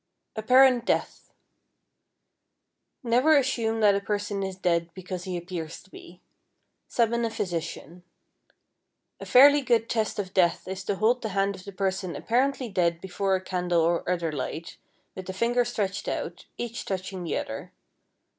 =Apparent Death.= Never assume that a person is dead because he appears to be. Summon a physician. A fairly good test of death is to hold the hand of the person apparently dead before a candle or other light, with the fingers stretched out, each touching the other.